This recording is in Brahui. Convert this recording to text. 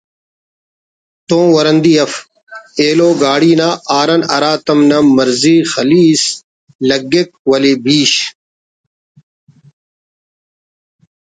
تون ورندی اف ایلو گاڈی نا ہارن ہرا تم نا مرضی خلیس لگک ولے بیش